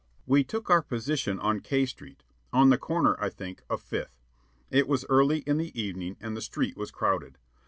We took our position on K Street, on the corner, I think, of Fifth. It was early in the evening and the street was crowded.